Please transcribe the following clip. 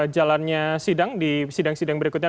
jalannya sidang di sidang sidang berikutnya